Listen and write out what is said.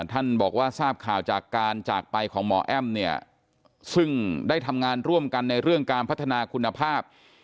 ท่านบอกว่าทราบข่าวจากการจากไปของหมอแอ้มเนี่ยซึ่งได้ทำงานร่วมกันในเรื่องการพัฒนาคุณภาพ